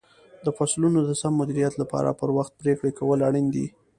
د فصلونو د سم مدیریت لپاره پر وخت پرېکړې کول اړین دي.